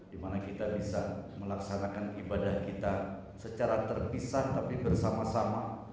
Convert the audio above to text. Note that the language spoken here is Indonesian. dimana kita bisa melaksanakan ibadah kita secara terpisah tapi bersama sama